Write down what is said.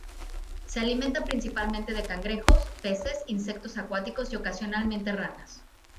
Se alimenta principalmente de cangrejos, peces, insectos acuáticos y ocasionalmente ranas.